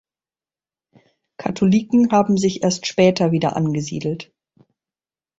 Katholiken haben sich erst später wieder angesiedelt.